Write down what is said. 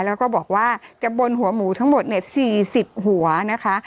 แล้วก็บอกว่าจะบนหัวหมูทั้งหมด๔๐หัวนะคะ